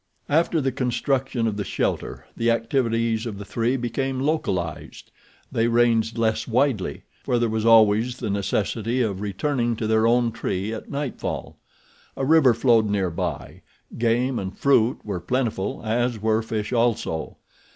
After the construction of the shelter the activities of the three became localized. They ranged less widely, for there was always the necessity of returning to their own tree at nightfall. A river flowed near by. Game and fruit were plentiful, as were fish also.